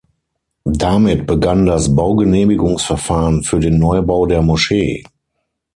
Damit begann das Baugenehmigungsverfahren für den Neubau der Moschee.